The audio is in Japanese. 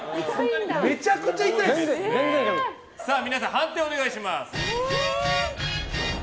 皆さん、判定をお願いします。